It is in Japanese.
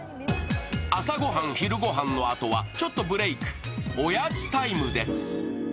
朝ご飯、昼ご飯のあとはちょっとブレイク、おやつタイムです。